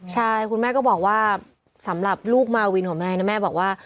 ใช่คุณแม่ก็บอกว่าสำหรับลูกมาวินของแม่นะแม่บอกว่า